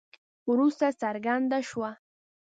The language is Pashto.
وروسته څرګنده شوه.